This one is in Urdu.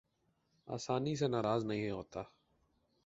آسانی سے ناراض نہیں ہوتا